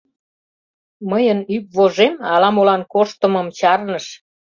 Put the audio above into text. — Мыйын ӱп вожем ала-молан корштымым чарныш.